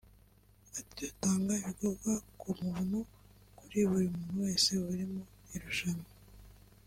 Ati " Dutanga ibinyobwa ku buntu kuri buri muntu wese uri mu irushanwa